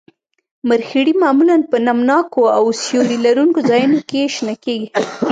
مرخیړي معمولاً په نم ناکو او سیوري لرونکو ځایونو کې شنه کیږي